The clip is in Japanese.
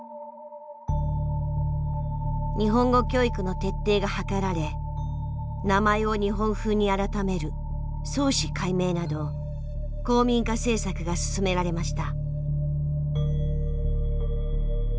日本語教育の徹底が図られ名前を日本風に改める「創氏改名」など皇民化政策が進められました。